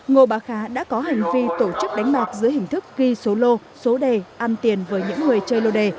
ngô bà khá đã có hành vi tổ chức đánh bạc dưới hình thức ghi số lô số đề ăn tiền với những người chơi lô đề